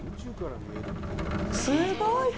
すごいね。